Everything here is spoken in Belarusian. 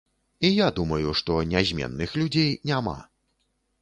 І я думаю, што нязменных людзей няма.